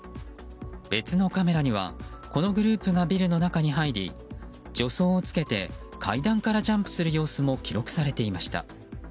別のカメラにはこのグループがビルの中に入り助走をつけて階段からジャンプする様子も記録されていました。